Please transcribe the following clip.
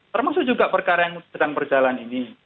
termasuk juga perkara yang sedang berjalan ini